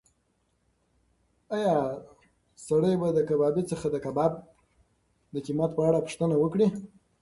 ایا سړی به د کبابي څخه د کباب د قیمت په اړه پوښتنه وکړي؟